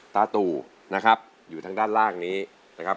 ตู่นะครับอยู่ทางด้านล่างนี้นะครับ